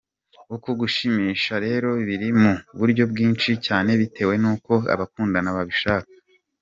Uko gushimishinya rero biri mu buryo bwinshi cyane bitewe n’uko abakundana babishaka.